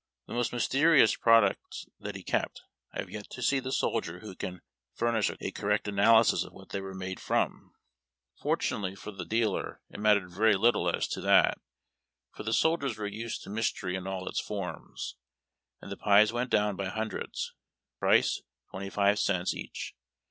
The most mysterious prod ucts that he kept, I have yet to see the soldier who can furnish a correct analysis of what they were made from. Fortunately for the dealer, it mattered very little as to that, for the soldiers were used to mystery in all its forms, and the pies went down by hundreds ; price, twenty five cents each.